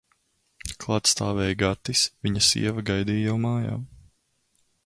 Klāt stāvēja Gatis, viņa sieva gaidīja jau mājā.